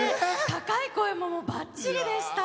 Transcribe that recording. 高い声もばっちりでした。